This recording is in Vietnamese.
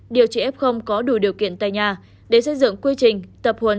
điều trị f có đủ điều kiện tại nhà để xây dựng quy trình tập huấn